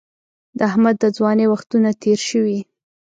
د احمد د ځوانۍ وختونه تېر شوي.